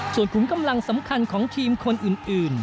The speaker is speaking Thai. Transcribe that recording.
ส่วนขุมกำลังสำคัญของทีมคนอื่น